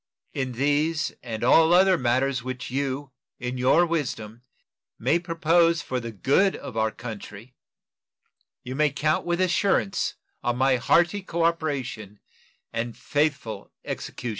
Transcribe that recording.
In these and all other matters which you in your wisdom may propose for the good of our country, you may count with assurance on my hearty cooperation and faithful execution.